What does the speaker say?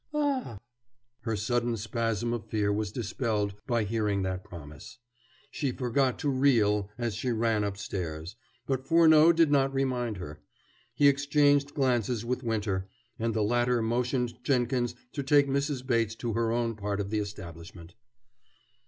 "Ah!" Her sudden spasm of fear was dispelled by hearing that promise. She forgot to "reel" as she ran upstairs, but Furneaux did not remind her. He exchanged glances with Winter, and the latter motioned Jenkins to take Mrs. Bates to her own part of the establishment.